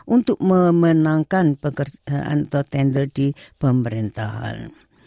untuk memenangkan pekerjaan atau tender di pemerintahan